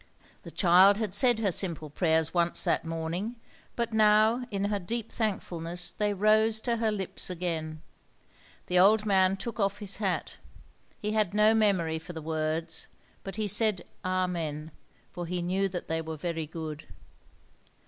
The child had said her simple prayers once that morning, but now in her deep thankfulness they rose to her lips again. The old man took off his hat; he had no memory for the words, but he said Amen, for he knew that they were very good.